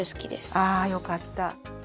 あよかった。